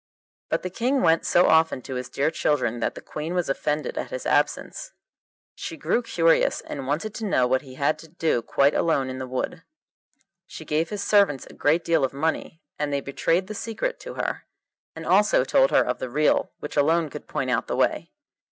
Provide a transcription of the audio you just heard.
But the King went so often to his dear children that the Queen was offended at his absence. She grew curious, and wanted to know what he had to do quite alone in the wood. She gave his servants a great deal of money, and they betrayed the secret to her, and also told her of the reel which alone could point out the way.